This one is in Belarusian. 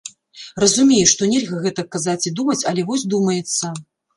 Разумею, што нельга гэтак казаць і думаць, але вось думаецца.